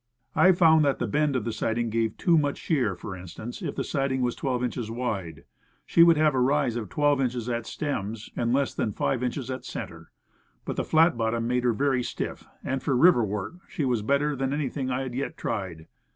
I found that the bend of the siding gave too much shear; for instance, if the siding was 12 inches wide, she would have a rise of 12, inches at stems and less than 5 inches at center. But the flat bottom made her very stiff, and for river work she was better than anything I had yet tried.